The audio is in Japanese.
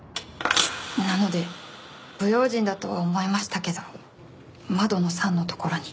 なので不用心だとは思いましたけど窓の桟の所に。